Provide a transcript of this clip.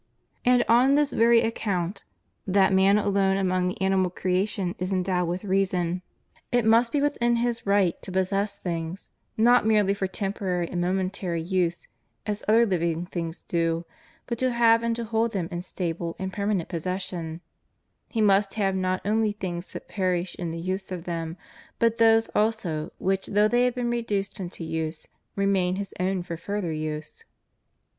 And on this very account — that man alone among the animal creation is endowed with reason — ^it must be within his right to possess things not merely for temporary and momentary use, as other hving things do, but to have and to hold them in stable and permanent possession; he must have not only things that perish in the use of them, but those also which, though they have been reduced into use, remain his own for further use.